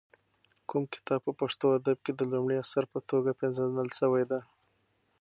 کوم کتاب په پښتو ادب کې د لومړي اثر په توګه پېژندل شوی دی؟